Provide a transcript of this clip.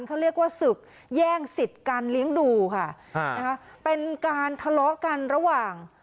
เขาเรียกว่าศึกแย่งสิทธิ์การเลี้ยงดูค่ะนะคะเป็นการทะเลาะกันระหว่าง